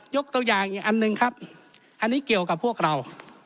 ยกตัวอย่างอีกอันหนึ่งครับอันนี้เกี่ยวกับพวกเรา